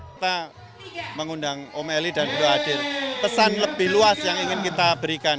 kita mengundang om eli dan untuk hadir pesan lebih luas yang ingin kita berikan